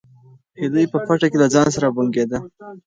هیلې په پټه کې له ځان سره بونګېده.